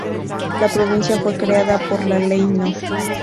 La provincia fue creada por la Ley no.